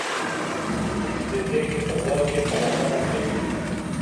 پولیس د پېښې په ځای کې پلټنه کوي.